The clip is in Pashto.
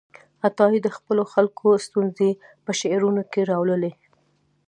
عطايي د خپلو خلکو ستونزې په شعرونو کې راواړولې.